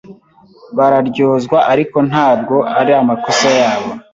Bararyozwa, ariko ntabwo ari amakosa yabo.